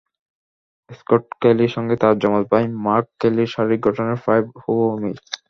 Scott কেলির সঙ্গে তাঁর যমজ ভাই মার্ক কেলির শারীরিক গঠনের প্রায় হুবহু মিল।